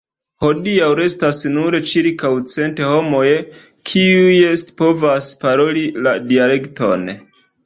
Hodiaŭ restas nur ĉirkaŭ cent homoj kiuj scipovas paroli la dialekton.